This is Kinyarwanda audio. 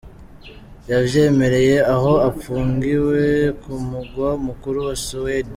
Yavyemereye aho apfungiwe ku mugwa mukuru wa Suede.